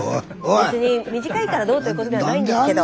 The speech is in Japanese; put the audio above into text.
別に短いからどうということではないんですけど。